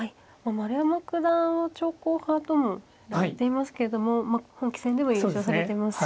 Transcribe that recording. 丸山九段は長考派とも言われていますけれども本棋戦では優勝されてますし。